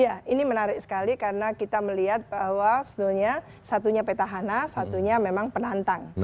ya ini menarik sekali karena kita melihat bahwa sebetulnya satunya petahana satunya memang penantang